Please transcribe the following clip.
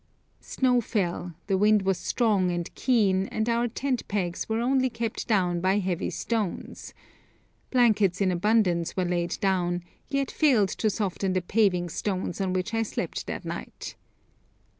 Snow fell, the wind was strong and keen, and our tent pegs were only kept down by heavy stones. Blankets in abundance were laid down, yet failed to soften the 'paving stones' on which I slept that night!